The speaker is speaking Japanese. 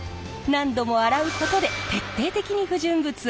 何度も洗うことで徹底的に不純物を落とします。